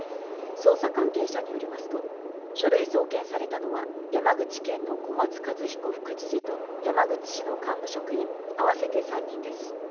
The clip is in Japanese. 捜査関係者によりますと、書類送検されたのは山口県の小松一彦副知事と山口市の幹部職員合わせて３人です。